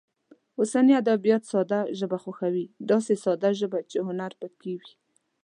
اوسني ادبیات ساده ژبه خوښوي، داسې ساده ژبه چې هنر هم پکې وي.